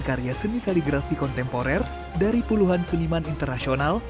karya seni kaligrafi kontemporer dari puluhan seniman internasional